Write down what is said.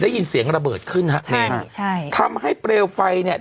ได้ยินเสียงระเบิดขึ้นฮะใช่ใช่ทำให้เปลวไฟเนี่ย